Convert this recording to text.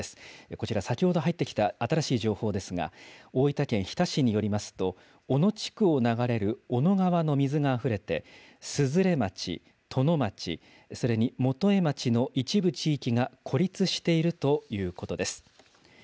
こちら先ほど入ってきた新しい情報ですが、大分県日田市によりますと、小野地区を流れる小野川の水があふれて、鈴連町、殿町、それに源栄町の一部地域が孤立しているということです。